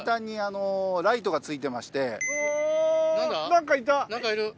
何かいる。